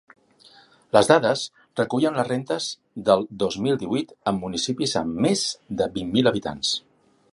Les dades recullen les rendes del dos mil divuit en municipis amb més de vint mil habitants.